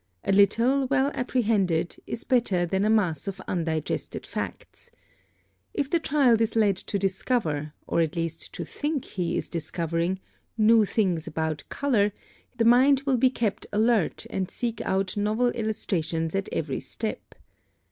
A little, well apprehended, is better than a mass of undigested facts. If the child is led to discover, or at least to think he is discovering, new things about color, the mind will be kept alert and seek out novel illustrations at every step.